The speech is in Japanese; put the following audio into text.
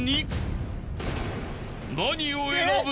［何を選ぶ？］